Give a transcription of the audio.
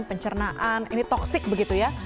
pencernaan ini toxic begitu ya